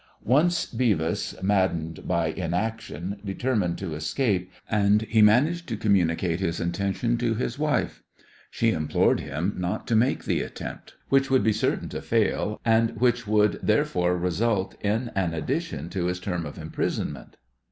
Once Beavis, maddened by inaction, determined to escape, and he managed to communicate his intention to his wife. She implored him not to make the attempt, which would be certain to fail, and which would therefore result in an addition to his term of imprisonment.